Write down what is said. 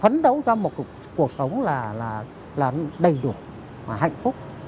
phấn đấu cho một cuộc sống là đầy đủ và hạnh phúc